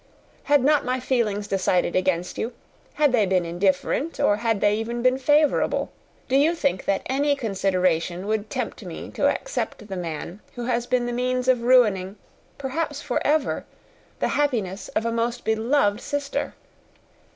Had not my own feelings decided against you, had they been indifferent, or had they even been favourable, do you think that any consideration would tempt me to accept the man who has been the means of ruining, perhaps for ever, the happiness of a most beloved sister?"